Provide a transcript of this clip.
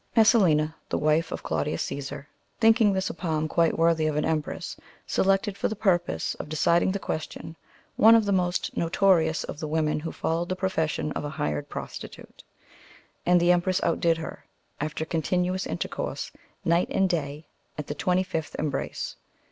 Messalina,^^ the wife of Claudius Caesar, thinking this a palm quite worthy of an empress, selected, for the purpose of deciding the question, one of the most notorious of the women who followed the profession of a hired prosti tute; and the empress outdid her, after continuous intercourse, night and day, at the twenty fifth embrace.